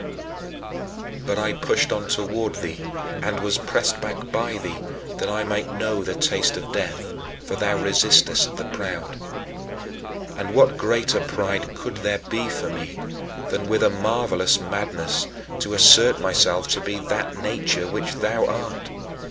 " 26. But I pushed on toward thee, and was pressed back by thee that I might know the taste of death, for "thou resistest the proud." And what greater pride could there be for me than, with a marvelous madness, to assert myself to be that nature which thou art?